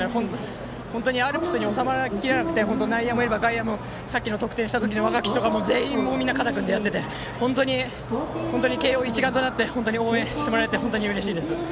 アルプスに収まりきらなくて内野も外野もさっきの逆転したときの「若き血」も全員、肩を組んでやってて本当に慶応一丸となって応援してもらえて本当にうれしいです。